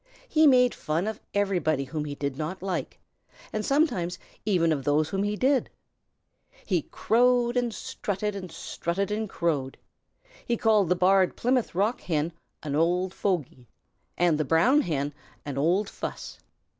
He made fun of everybody whom he did not like, and sometimes even of those whom he did. He crowed and strutted and strutted and crowed. He called the Barred Plymouth Rock Hen "an old fogy," and the Brown Hen "an old fuss."